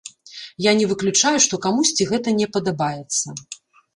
Я не выключаю, што камусьці гэта не падабаецца.